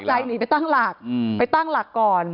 หนีไปตั้งหลักไปตั้งหลักก่อน